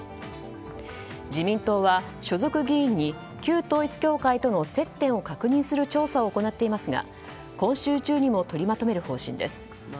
自民党は所属議員に旧統一教会との接点を確認する調査を行っていますが今週中にも取りまとめる方針です。